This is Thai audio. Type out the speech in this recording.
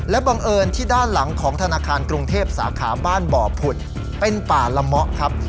บังเอิญที่ด้านหลังของธนาคารกรุงเทพสาขาบ้านบ่อผุดเป็นป่าละเมาะครับ